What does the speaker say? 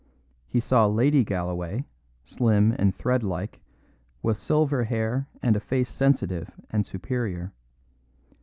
He saw Lady Galloway, slim and threadlike, with silver hair and a face sensitive and superior.